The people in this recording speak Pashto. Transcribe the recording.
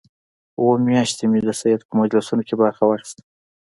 اووه میاشتې مې د سید په مجلسونو کې برخه واخیسته.